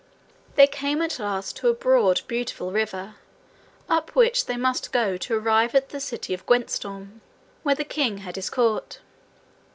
They came at last to a broad, beautiful river, up which they must go to arrive at the city of Gwyntystorm, where the king had his court.